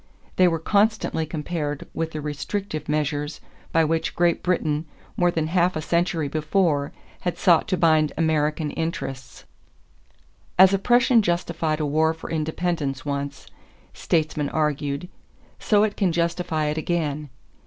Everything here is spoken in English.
They were constantly compared with the restrictive measures by which Great Britain more than half a century before had sought to bind American interests. As oppression justified a war for independence once, statesmen argued, so it can justify it again.